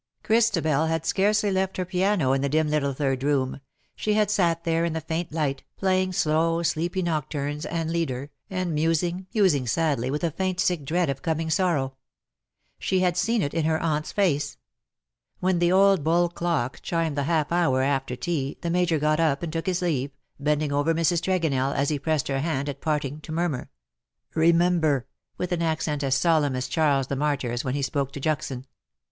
Christabel had scarcely left her piano in the dim little third room — she had sat there in the faint light, playing slow sleepy nocturnes and lieder, and musing, musing sadly, with a faint sick dread of coming sorrow. She had seen it in her aunt's face. When the old buhl clock chimed the half hour after ten the Major got up and took his leave, bending over Mrs. Tregonell as he pressed her hand at parting to murmur :" Remember,'^ with an accent as solemn as Charles the Martyr's when he spoke to Juxon.